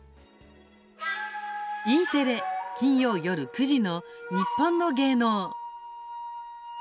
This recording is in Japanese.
Ｅテレ金曜夜９時の「にっぽんの芸能」。